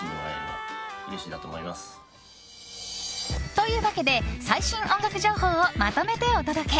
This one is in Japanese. というわけで最新音楽情報をまとめてお届け！